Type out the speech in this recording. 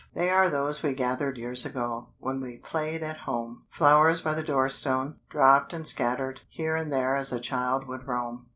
They are those we gathered Years ago, when we played at home! Flowers by the door stone, dropped and scattered Here and there as a child would roam."